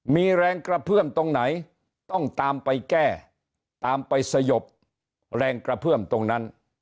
มีแรงกระเพื่อมตรงไหนต้องตามไปแก้ตามไปสยบแรงกระเพื่อมตรงนั้น